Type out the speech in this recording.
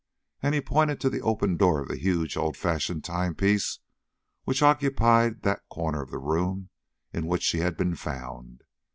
And he pointed to the open door of the huge old fashioned timepiece which occupied that corner of the room in which she had been found.